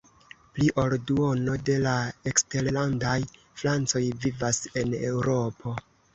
Pli ol duono de la eksterlandaj francoj vivas en Eŭropo.